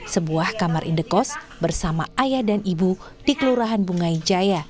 sebuah kamar indekos bersama ayah dan ibu di kelurahan bungai jaya